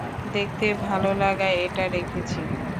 দেখতে ভালো লাগায় এটা রেখেছি।